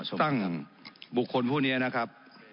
ก็สรุปตั้งบุคคลผู้เนียนะครับ